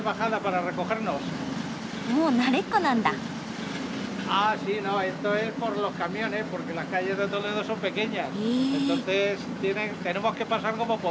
もう慣れっこなんだ？え。